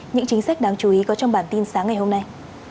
những chính sách đáng chú ý có trong bản tin sáng ngày hôm nay